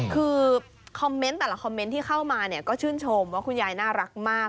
คือคอมเมนต์แต่ละคอมเมนต์ที่เข้ามาเนี่ยก็ชื่นชมว่าคุณยายน่ารักมาก